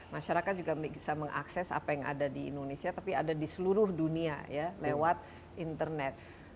masyarakat juga bisa mengakses apa yang ada di indonesia tapi ada di seluruh dunia ya lewat internet